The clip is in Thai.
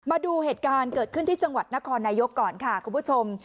มาดูเหตุการณ์เกิดขึ้นที่จังหวัดนครนายกก่อนค่ะคุณผู้ชม